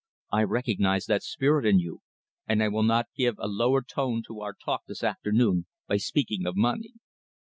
I recognise that spirit in you, and I will not give a lower tone to our talk this afternoon by speaking of money.